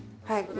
はい。